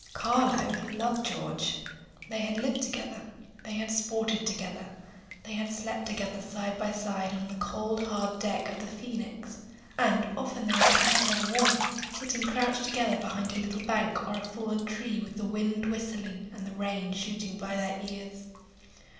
Carlo loved George. They had lived together, they had sported together, they had slept together side by side on the cold, hard deck of the Phoenix, and often they had kept each other warm, sitting crouched together behind a little bank or a fallen tree, with the wind whistling and the rain shooting by their ears.